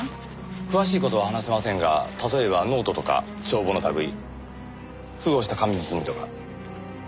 詳しい事は話せませんが例えばノートとか帳簿の類い封をした紙包みとか。